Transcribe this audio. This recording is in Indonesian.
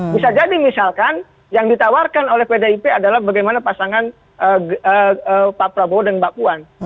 bisa jadi misalkan yang ditawarkan oleh pdip adalah bagaimana pasangan pak prabowo dan mbak puan